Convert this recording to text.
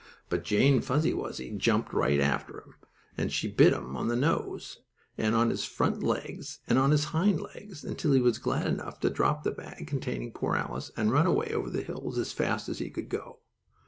But Jane Fuzzy Wuzzy jumped right at him, and she bit him on the nose, and on his front legs and on his hind legs, until he was glad enough to drop the bag containing poor Alice, and run away, over the hills, as fast as he could go.